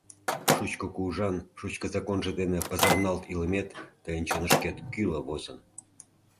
Шучко кугыжан шучко законжо дене пызырналт илымет тыйын чонышкет кӱла возын.